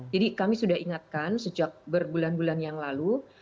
jadi kami sudah ingatkan sejak berbulan bulan yang lalu